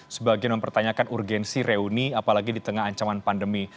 sebagian mempertanyakan urgensi reuni apalagi di tengah ancaman pandemi